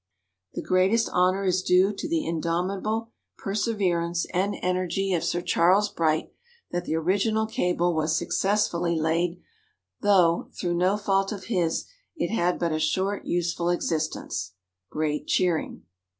The greatest honor is due to the indomitable perseverance and energy of Sir Charles Bright that the original cable was successfully laid, though, through no fault of his, it had but a short useful existence (great cheering).